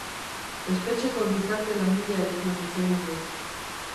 Espetxeko gizarte langilearekin hitz egin dut.